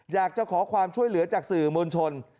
อยากจะขอความช่วยเหลือจากสื่อมวลชน